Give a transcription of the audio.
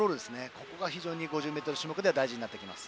ここが非常に５０ｍの種目では大事になります。